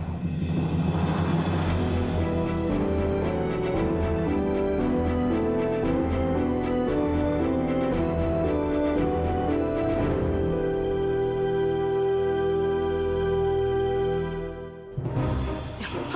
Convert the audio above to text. mama mau ketemu sama temen arisan mama